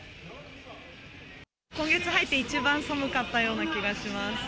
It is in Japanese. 今月入って一番寒かったような気がします。